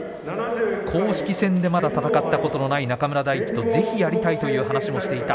公式戦でまだ戦ったことのない中村泰輝とぜひやりたいという話もしていました。